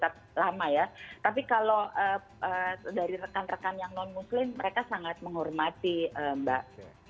tapi kalau dari rekan rekan yang non muslim mereka sangat menghormati mbak